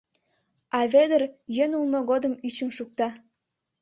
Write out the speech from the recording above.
А Вӧдыр йӧн улмо годым ӱчым шукта.